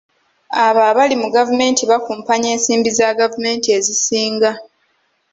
Abo abali mu gavumenti bakumpanya ensimbi za gavumenti ezisinga.